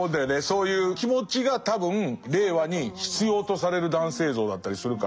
そういう気持ちが多分令和に必要とされる男性像だったりするから。